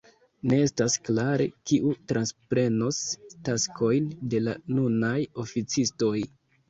Ne estas klare kiu transprenos taskojn de la nunaj oficistoj.